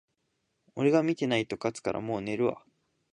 俺が見てないと勝つから、もう寝るわ